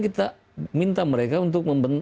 kita minta mereka untuk